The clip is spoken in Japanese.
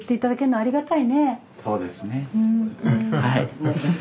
はい。